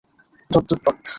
Dot dot dot.